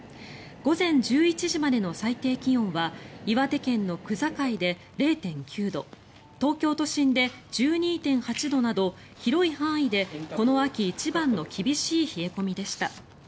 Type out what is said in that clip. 午前１１時までの最低気温は岩手県の区界で０．９度東京都心で１２．８度など広い範囲でこの秋一番の厳しい冷え込みでした。